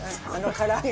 唐揚げ。